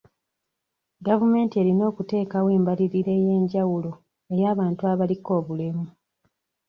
Gavumenti erina okuteekawo embalirira ey'enjawulo ey'abantu abaliko obulemu.